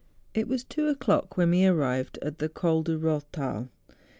It was two o'clock when we arrived at the Col du Koththal.